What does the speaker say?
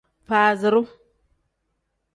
Faaziru.